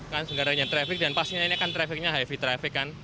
kan sebenarnya traffic dan pastinya ini kan trafficnya heavy traffic kan